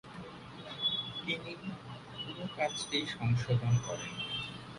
তিনি পুরো কাজটি সংশোধন করেন।